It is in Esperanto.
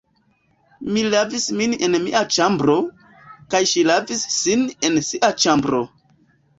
Mi lavis min en mia ĉambro, kaj ŝi lavis sin en sia ĉambro.